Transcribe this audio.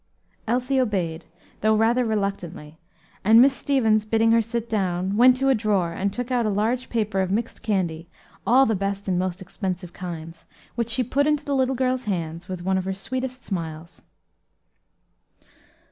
Elsie obeyed, though rather reluctantly, and Miss Stevens bidding her sit down, went to a drawer, and took out a large paper of mixed candy, all of the best and most expensive kinds, which she put into the little girl's hands with one of her sweetest smiles.